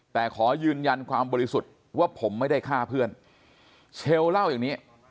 แต่ขอยืนยันความบริสุทธิ์ว่าผมไม่ได้ฆ่าเพื่อนเชลเล่าอย่างนี้